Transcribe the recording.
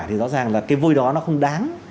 thì rõ ràng là cái vơi đó nó không đáng